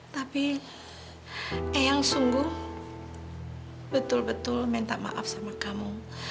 tapi eyang sungguh betul betul minta maaf sama kamu